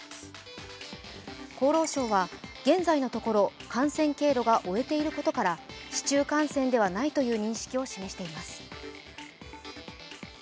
厚労省は現在のところ、感染経路が追えていることから市中感染ではないという認識を示しています。